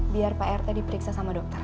biar pak rt diperiksa sama dokter